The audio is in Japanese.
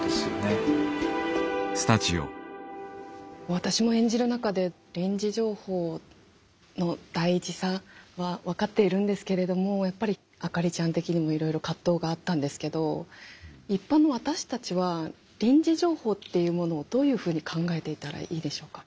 私も演じる中で臨時情報の大事さは分かっているんですけれどもやっぱりあかりちゃん的にもいろいろ葛藤があったんですけど一般の私たちは臨時情報っていうものをどういうふうに考えていたらいいでしょうか。